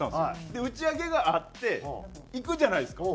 で打ち上げがあって行くじゃないですか。